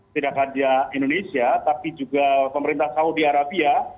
tidak hanya indonesia tapi juga pemerintah saudi arabia